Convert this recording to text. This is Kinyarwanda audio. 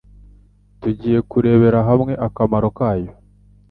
Tugiye kurebera hamwe akamaro kayo